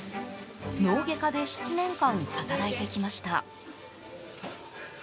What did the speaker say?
脳外科で７年間働いてきました。